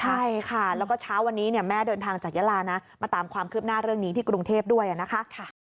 ใช่ค่ะแล้วก็เช้าวันนี้แม่เดินทางจากยาลานะมาตามความคืบหน้าเรื่องนี้ที่กรุงเทพด้วยนะคะ